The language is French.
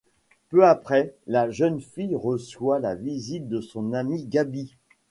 Peu après, la jeune fille reçoit la visite de son amie Gaby.